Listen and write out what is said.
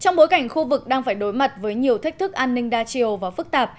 trong bối cảnh khu vực đang phải đối mặt với nhiều thách thức an ninh đa chiều và phức tạp